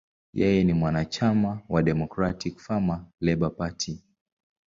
Yeye ni mwanachama wa Democratic–Farmer–Labor Party.